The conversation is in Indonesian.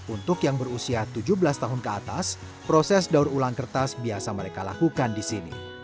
untuk yang berusia tujuh belas tahun ke atas proses daur ulang kertas biasa mereka lakukan di sini